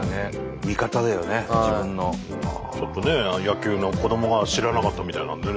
ちょっとね野球の子どもが知らなかったみたいなのでね